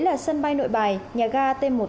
là sân bay nội bài nhà ga t một t hai